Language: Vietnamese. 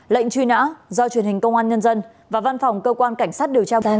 lệnh truy nã do truyền hình công an nhân dân và văn phòng cơ quan cảnh sát điều tra bộ